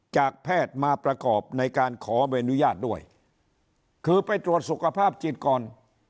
จากแพทย์มาประกอบในการขอใบอนุญาตด้วยคือไปตรวจสุขภาพจิตก่อน